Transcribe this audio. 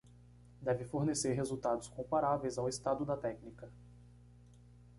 Deve fornecer resultados comparáveis ao estado da técnica.